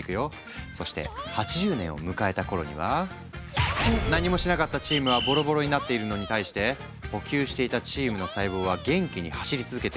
そして８０年を迎えた頃には何もしなかったチームはボロボロになっているのに対して補給していたチームの細胞は元気に走り続けているし